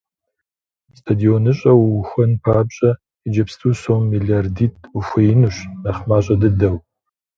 СтадионыщӀэ уухуэн папщӀэ иджыпсту сом мелардитӀ ухуеинущ, нэхъ мащӀэ дыдэу.